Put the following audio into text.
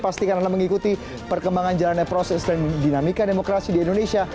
pastikan anda mengikuti perkembangan jalannya proses dan dinamika demokrasi di indonesia